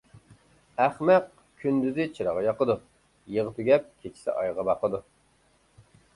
ئەخمەق كۈندۈزى چىراغ ياقىدۇ، يېغى تۈگەپ كېچىسى ئايغا باقىدۇ.